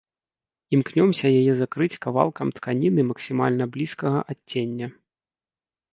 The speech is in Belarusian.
Імкнёмся яе закрыць кавалкам тканіны максімальна блізкага адцення.